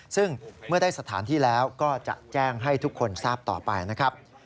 ซึ่งเมื่อได้สถานที่แล้วก็จะแจ้งให้ทุกคนทราบต่อไปนะครับ